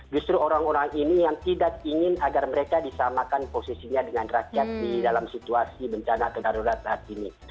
justru orang orang ini yang tidak ingin agar mereka disamakan posisinya dengan rakyat di dalam situasi bencana atau darurat saat ini